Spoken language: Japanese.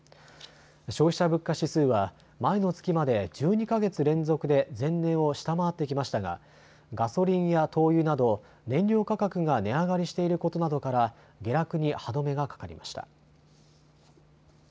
消費者物価指数は前の月まで１２か月連続で前年を下回ってきましたがガソリンや灯油など燃料価格が値上がりしていることなどから下落に歯止めがかかりました。